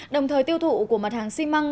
đồng thời tiêu thụ của mặt hàng xi măng